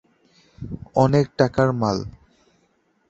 অনেক টাকার মাল।